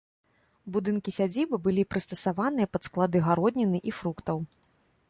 Будынкі сядзібы былі прыстасаваныя пад склады гародніны і фруктаў.